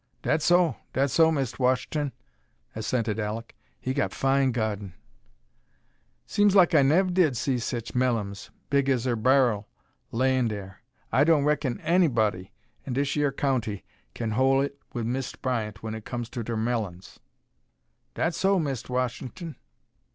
"Dat so, dat so, Mist' Wash'ton," assented Alek. "He got fine gawden." "Seems like I nev' did see sech mellums, big as er bar'l, layin' dere. I don't raikon an'body in dish yer county kin hol' it with Mist' Bryant when comes ter mellums." "Dat so, Mist' Wash'ton."